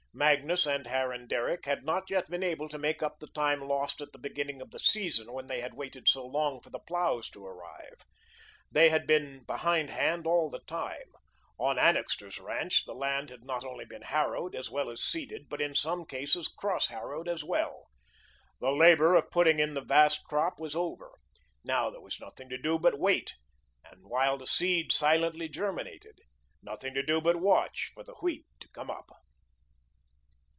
Magnus and Harran Derrick had not yet been able to make up the time lost at the beginning of the season, when they had waited so long for the ploughs to arrive. They had been behindhand all the time. On Annixter's ranch, the land had not only been harrowed, as well as seeded, but in some cases, cross harrowed as well. The labour of putting in the vast crop was over. Now there was nothing to do but wait, while the seed silently germinated; nothing to do but watch for the wheat to come up.